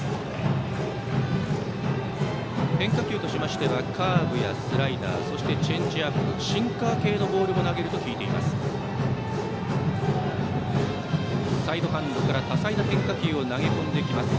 変化球としましてはカーブやスライダーチェンジアップシンカー系のボールも投げると聞いています。